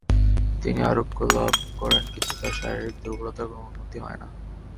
তিনি আরোগ্যলাভ করেন কিন্তু তার শারীরিক দুর্বলতার কোন উন্নতি হয়না।